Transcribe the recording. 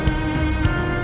dia itu orang yang ngeselin